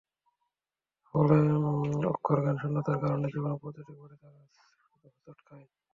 ফলে অক্ষরজ্ঞান শূন্যতার কারণে জীবনের প্রতিটি পদে তারা শুধু হোঁচট খায়।